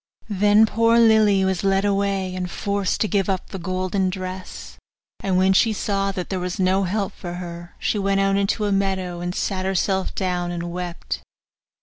Then poor Lily was led away, and forced to give up the golden dress; and when she saw that there was no help for her, she went out into a meadow, and sat herself down and wept.